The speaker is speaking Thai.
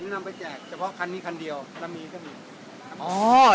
นำไปแจกเฉพาะคันนี้คันเดียวแล้วมีก็มีอ๋อ